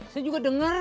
saya juga denger